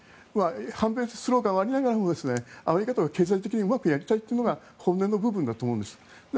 反米スローガンはありながらもイランとは経済的にうまくやりたいというのが本音の部分だと思うんです。